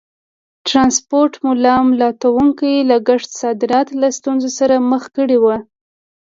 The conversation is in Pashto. د ټرانسپورټ ملا ماتوونکي لګښت صادرات له ستونزو سره مخ کړي وو.